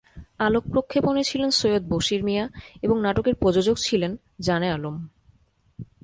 আলোক প্রক্ষেপণে ছিলেন সৈয়দ বশির মিয়া এবং নাটকের প্রযোজক ছিলেন জানে আলম।